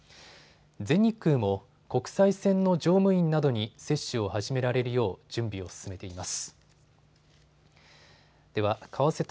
全日空も国際線の乗務員などに接種を始められるよう準備を進めています。